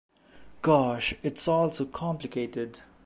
Gosh, it's all so complicated!